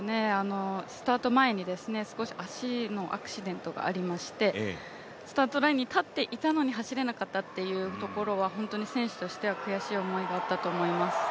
スタート前に少し足のアクシデントがありましてスタートラインに立っていたのに走れないというのは、本当に選手としては悔しい思いがあったと思います。